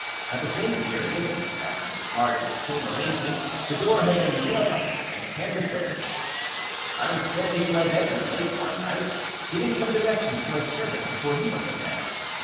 At the same period, and as a part of the same arrangement, âthe door had been nailed up and canvased over. I was standing in my bedroom late one night, giving some directions to my servant before he went to bed.